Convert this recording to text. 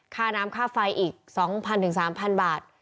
ค่าน้ำค่าไฟอีก๒๐๐๓๐๐บาท